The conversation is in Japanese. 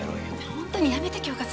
本当にやめて恐喝なんて。